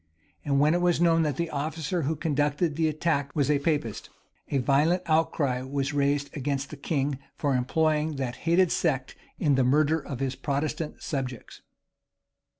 And when it was known that the officer who conducted the attack was a Papist, a violent outcry was raised against the king for employing that hated sect in the murder of his Protestant subjects.